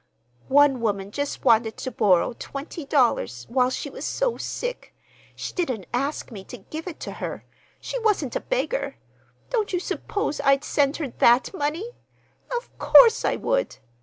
One woman just wanted to borrow twenty dollars while she was so sick. She didn't ask me to give it to her. She wasn't a beggar. Don't you suppose I'd send her that money? Of course I would!